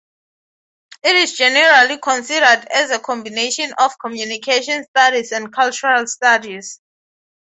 It is generally considered as a combination of communication studies and cultural studies.